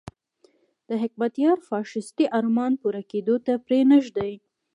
د حکمتیار فاشیستي ارمان پوره کېدو ته پرې نه ږدي.